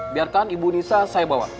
biarkan ibu nisa saya bawa